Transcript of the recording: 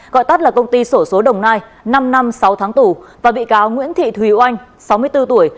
gọi tắt là công ty sổ số đồng nai năm năm sáu tháng tù và bị cáo nguyễn thị thùy oanh sáu mươi bốn tuổi